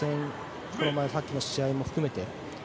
さっきの試合も含めて。